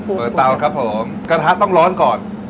เตาครับผมกระทะต้องร้อนก่อน